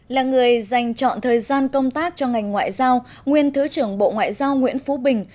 là người dành chọn thời gian công tác cho ngành ngoại giao nguyên thứ trưởng bộ ngoại giao nguyễn phú bình